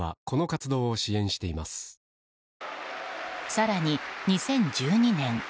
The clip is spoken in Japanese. さらに２０１２年。